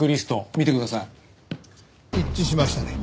見てください。一致しましたね。